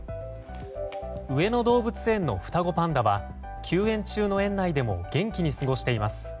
上野動物園の双子パンダは休園中の園内でも元気に過ごしています。